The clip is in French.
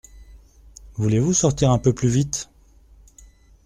Voulez-vous sortir et un peu plus vite !